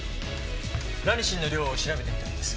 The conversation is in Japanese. ラニシンの量を調べてみたんです。